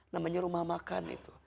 namanya rumah makan itu